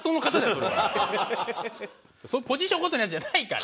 それポジションごとのやつじゃないから。